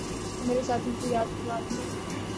تو مرے ساتھیوں کی یاد پھرآتی ہے۔